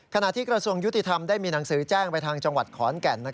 ขณะที่กระทรวงยุติธรรมได้มีหนังสือแจ้งไปทางจังหวัดขอนแก่น